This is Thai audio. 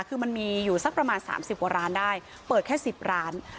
คือมันมีอยู่สักประมาณ๓๐กว่าร้านได้เปิดแค่๑๐ร้าน